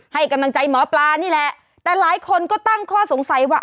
ให้กำลังใจหมอปลานี่แหละแต่หลายคนก็ตั้งข้อสงสัยว่า